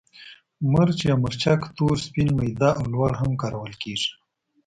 مرچ یا مرچک تور، سپین، میده او لواړ هم کارول کېږي.